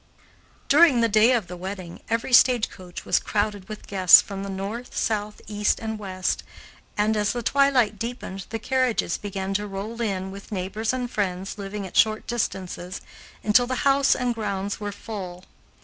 During the day of the wedding, every stage coach was crowded with guests from the North, South, East, and West, and, as the twilight deepened, carriages began to roll in with neighbors and friends living at short distances, until the house and grounds were full.